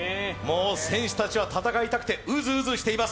選手たちは戦いたくてうずうずしています。